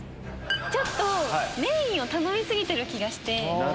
ちょっとメインを頼み過ぎてる気がして。